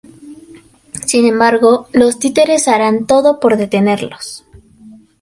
Sin embargo, los títeres harán todo por detenerlos.